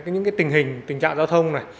những tình hình tình trạng giao thông